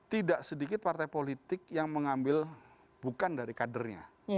tidak sedikit partai politik yang mengambil bukan dari kadernya